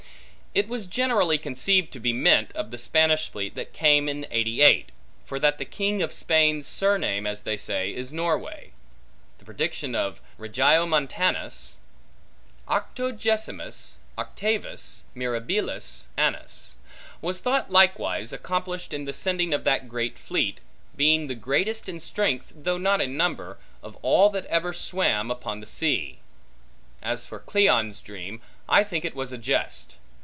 It was generally conceived to be meant, of the Spanish fleet that came in '88: for that the king of Spain's surname, as they say, is Norway. The prediction of Regiomontanus, Octogesimus octavus mirabilis annus, was thought likewise accomplished in the sending of that great fleet, being the greatest in strength, though not in number, of all that ever swam upon the sea. As for Cleon's dream, I think it was a jest.